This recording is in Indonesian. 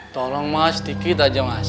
tolong mas sedikit aja mas